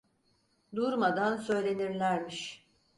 Durmadan söylenirlermiş.